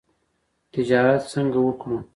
تجارت څنګه وکړو؟